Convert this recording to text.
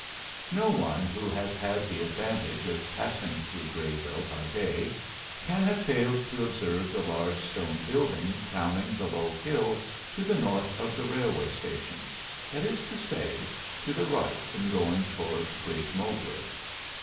No one who has had the advantage of passing through Grayville by day can have failed to observe the large stone building crowning the low hill to the north of the railway station that is to say, to the right in going toward Great Mowbray.